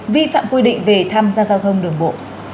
vi phạm quy định về tham gia giao thông đường bộ